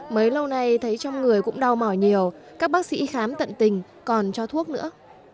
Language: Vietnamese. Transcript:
mấy lâu nay thấy trong người cũng đau mỏi nhiều các bác sĩ khám tận tình còn cho thuốc nữa